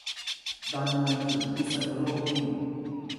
ดอนเมืองถึงพิษณุโลกวิ่ง